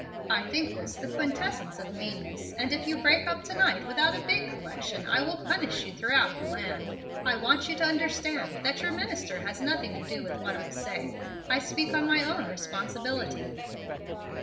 I think this the quintessence of meanness, and if you break up to night without a big collection I will publish you throughout the land. I want you to understand that your minister has nothing to do with what I say. I speak on my own responsibility."